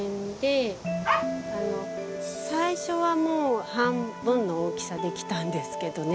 最初はもう半分の大きさで来たんですけどね。